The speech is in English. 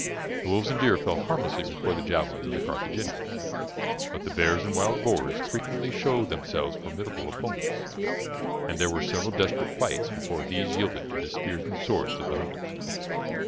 The wolves and deer fell harmlessly before the javelins of the Carthaginians, but the bears and wild boars frequently showed themselves formidable opponents, and there were several desperate fights before these yielded to the spears and swords of the hunters.